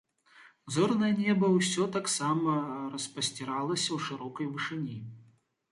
Зорнае неба ўсё таксама распасціралася ў шырокай вышыні.